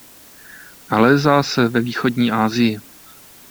Nalézá se ve Východní Asii.